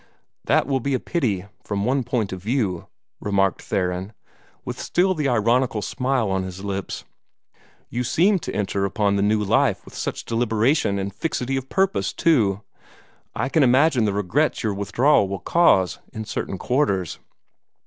"That will be a pity from one point of view," remarked Theron, still with the ironical smile on his lips. "You seemed to enter upon the new life with such deliberation and fixity of purpose, too! I can imagine the regrets your withdrawal will cause, in certain quarters.